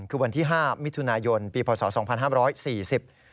คือวันที่๕มิถุนายนปีพศ๒๕๔๐